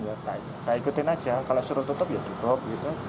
ya kita ikutin aja kalau suruh tutup ya tutup